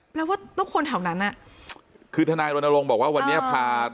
แปลว่าต้องคนแถวนั้นอ่ะคือทนายรณรงค์บอกว่าวันนี้พา